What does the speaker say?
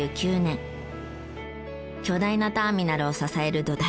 巨大なターミナルを支える土台。